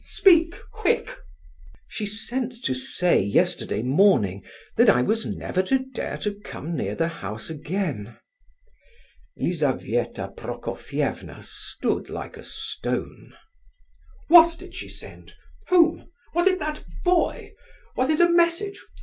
Speak—quick!" "She sent to say, yesterday morning, that I was never to dare to come near the house again." Lizabetha Prokofievna stood like a stone. "What did she send? Whom? Was it that boy? Was it a message?